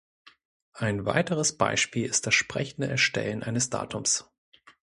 Ein weiteres Beispiel ist das sprechende Erstellen eines Datums.